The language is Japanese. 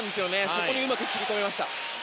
そこにうまく切り込みました。